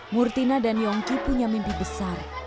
murtina dan yongki punya mimpi besar